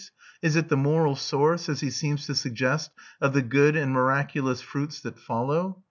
Is it the moral source, as he seems to suggest, of the good and miraculous fruits that follow?